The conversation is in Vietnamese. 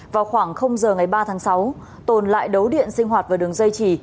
vào khoảng giờ ngày ba tháng sáu tồn lại đấu điện sinh hoạt vào đường dây chỉ